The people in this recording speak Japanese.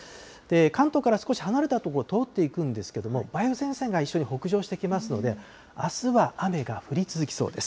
関東から少し離れた所を通っていくんですけど、梅雨前線が一緒に北上してきますので、あすは雨が降り続きそうです。